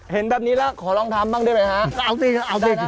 เห็นแบบนี้แล้วขอลองทำบ้างได้ไหมฮะเอาสิเอาสิ